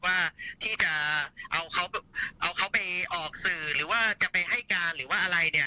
ว่าที่จะเอาเขาเอาเขาไปออกสื่อหรือว่าจะไปให้การหรือว่าอะไรเนี่ย